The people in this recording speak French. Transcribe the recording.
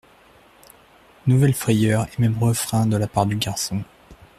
Nouvelle frayeur et même refrain de la part du garçon.